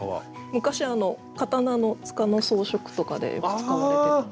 昔刀の柄の装飾とかでよく使われてた。